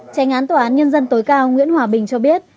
tranh án tòa án nhân dân tối cao nguyễn hòa bình cho biết